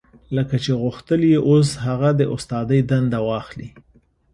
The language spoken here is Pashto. لکه چې غوښتل يې اوس هغه د استادۍ دنده واخلي.